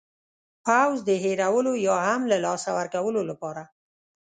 پوځ د هېرولو یا هم له لاسه ورکولو لپاره.